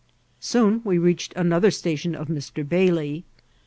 Soon we reached another station of Mr. Bailey.